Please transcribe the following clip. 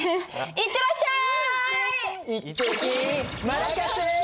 行ってらっしゃい！